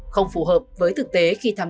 không phù hợp với thực tế